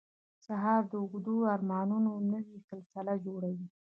سهار د اوږدو ارمانونو نوې سلسله جوړوي.